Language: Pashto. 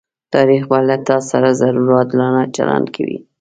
تاريخ به له تاسره ضرور عادلانه چلند کوي.